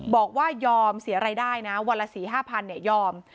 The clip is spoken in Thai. บอกว่ายอมเสียรายได้นะวันละ๔๕๐๐ยอม